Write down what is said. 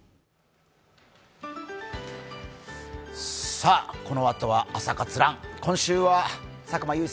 さあ、このあとは「朝活ＲＵＮ」